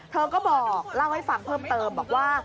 เธอก็บอกเล่าให้ฟังเพิ่มเติมบอกว่า